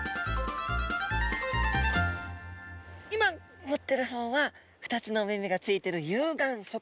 今持ってる方は２つのお目々がついてる有眼側。